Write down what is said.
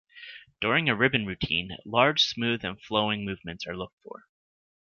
During a ribbon routine, large, smooth and flowing movements are looked for.